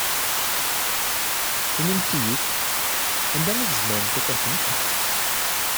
Inimt-iyi-id, anda i tzemremt ad t-tafemt?